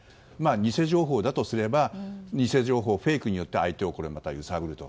偽情報だとすれば偽情報、フェイクによって相手を揺さぶると。